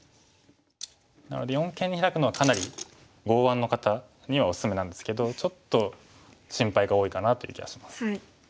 なので四間にヒラくのはかなり剛腕の方にはおすすめなんですけどちょっと心配が多いかなという気がします。